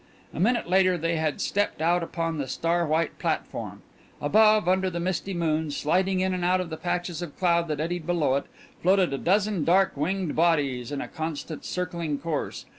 A minute later they had stepped out upon the star white platform. Above, under the misty moon, sliding in and out of the patches of cloud that eddied below it, floated a dozen dark winged bodies in a constant circling course.